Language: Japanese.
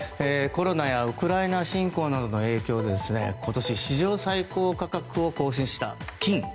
コロナやウクライナ侵攻などの影響で今年、史上最高価格を更新した金。